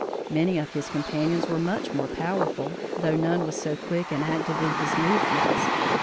Many of his companions were much more powerful, though none was so quick and active in his movements.